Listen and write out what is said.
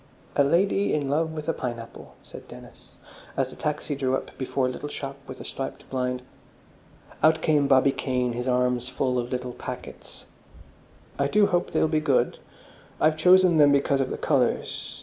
"A Lady in Love with a Pineapple," said Dennis, as the taxi drew up before a little shop with a striped blind. Out came Bobby Kane, his arms full of little packets. "I do hope they'll be good. I've chosen them because of the colours.